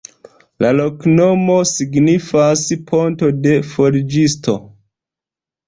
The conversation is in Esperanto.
La loknomo signifas: ponto de forĝisto.